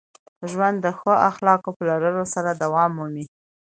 ژوند د ښو اخلاقو په لرلو سره دوام مومي.